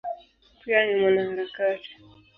Pia ni mwanaharakati.